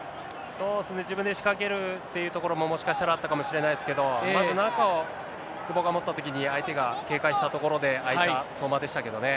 そうですね、自分で仕掛けるというところも、もしかしたらあったかもしれないですけど、まず中を久保が持ったときに、相手が警戒したところで、ああいった、相馬でしたけどね。